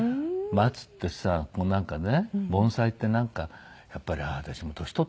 松ってさなんかね盆栽ってなんかやっぱり私も年取ったのかしら？